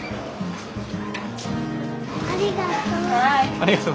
ありがとう。